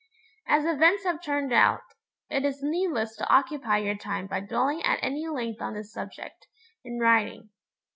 As events have turned out, it is needless to occupy your time by dwelling at any length on this subject, in writing.